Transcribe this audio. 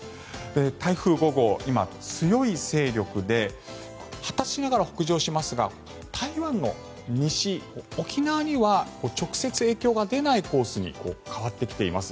台風５号、今、強い勢力で発達しながら北上しますが台湾の西、沖縄には直接影響が出ないコースに変わってきています。